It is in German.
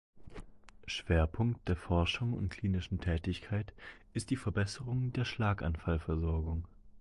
Schwerpunkt der Forschung und klinischen Tätigkeit ist die Verbesserung der Schlaganfall- Versorgung.